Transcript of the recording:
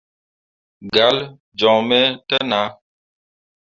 Galle joŋ me te nah.